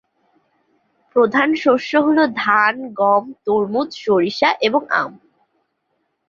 প্রধান শস্য হলো: ধান, গম, তরমুজ, সরিষা, এবং আম।